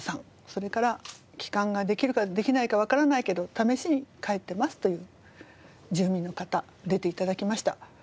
それから帰還ができるかできないかわからないけど試しに帰ってますという住民の方出て頂きました。